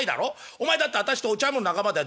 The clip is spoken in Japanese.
お前だって私とお茶飲む仲間だよ？